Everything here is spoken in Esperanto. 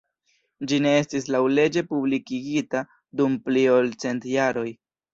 Ĝi ne estis laŭleĝe publikigita dum pli ol cent jaroj.